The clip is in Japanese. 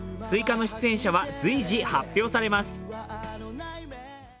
追加の出演者は随時発表されます。